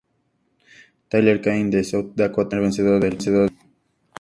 Tyler Cain, de South Dakota, fue el primer vencedor del premio.